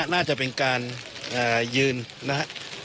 น่าจะเป็นการยืนนะครับ